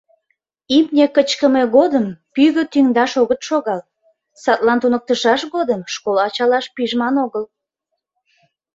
Имне кычкыме годым пӱгӧ тӱҥдаш огыт шогал, садлан туныктышаш годым школ ачалаш пижман огыл.